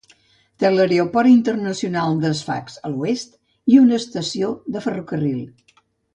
Té l'Aeroport Internacional de Sfax, a l'oest, i una estació de ferrocarril.